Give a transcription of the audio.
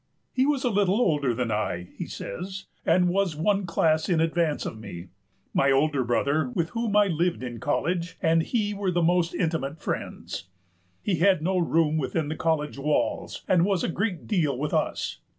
"He was a little older than I," he says, "and was one class in advance of me. My older brother, with whom I lived in college, and he were most intimate friends. He had no room within the college walls, and was a great deal with us.